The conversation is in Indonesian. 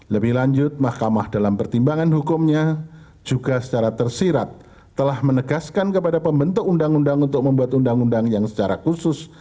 lebih lanjut mahkamah dalam pertimbangan hukumnya juga secara tersirat telah menegaskan kepada pembentuk undang undang untuk membuat undang undang yang secara khusus